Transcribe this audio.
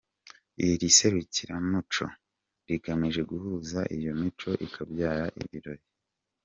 Iri serukiramuco rigamije guhuza iyo mico ikabyara ibirori.